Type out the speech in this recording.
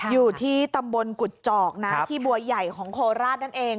อยู่ที่ตำบลกุฎจอกนะที่บัวใหญ่ของโคราชนั่นเอง